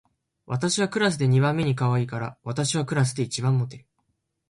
私はクラスで二番目にかわいいから、私はクラスで一番モテる